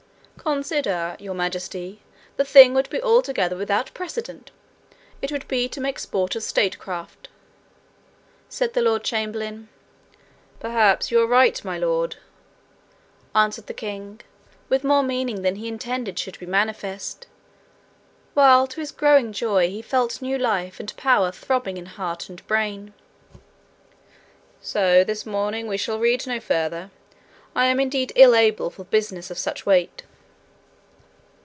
'Consider, Your Majesty: the thing would be altogether without precedent. It would be to make sport of statecraft,' said the lord chamberlain. 'Perhaps you are right, my lord,' answered the king, with more meaning than he intended should be manifest, while to his growing joy he felt new life and power throbbing in heart and brain. 'So this morning we shall read no further. I am indeed ill able for business of such weight.'